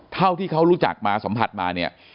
เท่าที่เขารู้จักมาสัมผัสมาเนี่ย